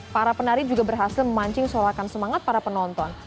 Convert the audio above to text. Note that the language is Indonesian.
para penari juga berhasil memancing solakan semangat para penonton